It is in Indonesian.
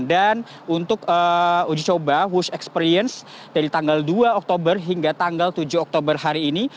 dan untuk uji coba wush experience dari tanggal dua oktober hingga tanggal tujuh oktober hari ini